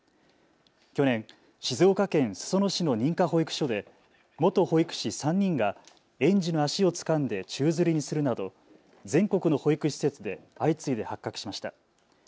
去年、静岡県裾野市の認可保育所で元保育士３人が園児の足をつかんで宙づりにするなど全国の保育施設で相次いで発覚しました。